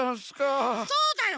そうだよ